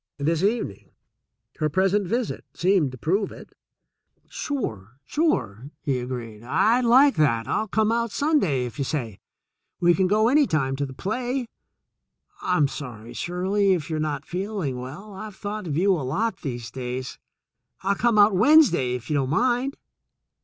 This evening, her present visit, seemed to prove it. "Sure, sure !" he agreed. "I'd like that. I'll come out Sunday, if you say. We can go any time to the play. I'm sorry, Shirley, if you're not feeling well. I've thought of you a lot these days. I'll come out Wednesday, if you don't mind."